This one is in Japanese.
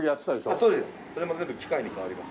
そうです。